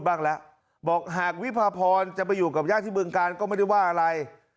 บ้างแล้วบอกหากวิพาพรจะไปอยู่กับญาติที่บึงการก็ไม่ได้ว่าอะไร